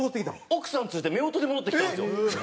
奥さん連れて夫婦で戻ってきたんですよ。